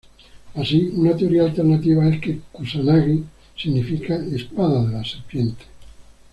Así, una teoría alternativa es que Kusanagi significa "espada de la serpiente".